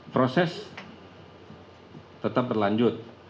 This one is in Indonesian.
proses tetap berlanjut